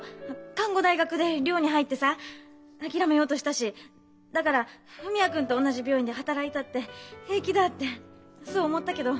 看護大学で寮に入ってさあきらめようとしたしだから文也君と同じ病院で働いたって平気だってそう思ったけど。